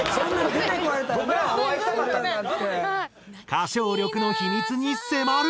歌唱力の秘密に迫る！